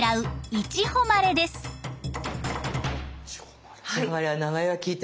いちほまれは名前は聞いてます。